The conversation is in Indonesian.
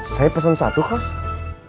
saya pesen satu kost